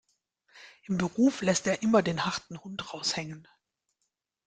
Im Beruf lässt er immer den harten Hund raushängen.